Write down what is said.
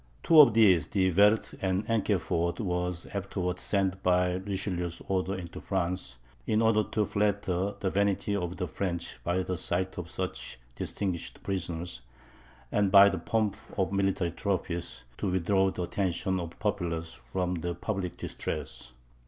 Two of these, De Werth and Enkeford, were afterwards sent by Richelieu's orders into France, in order to flatter the vanity of the French by the sight of such distinguished prisoners, and by the pomp of military trophies, to withdraw the attention of the populace from the public distress.